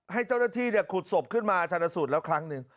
ให้เจ้าหน้าที่ขุดศพขึ้นมาชนสูตรแล้วครั้งหนึ่ง